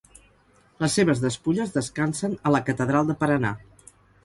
Les seves despulles descansen a la Catedral de Paranà.